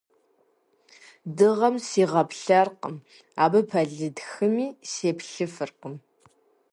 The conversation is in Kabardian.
Дыгъэм сигъаплъэркъым, абы пэлыд хыми сеплъыфыркъым.